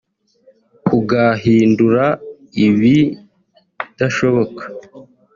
kugahindura ibidashoboka